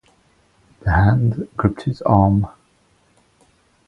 The hand gripped his arm.